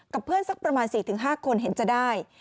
เพื่อนสักประมาณ๔๕คนเห็นจะได้